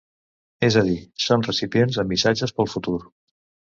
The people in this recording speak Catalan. És a dir, són recipients amb missatges pel futur.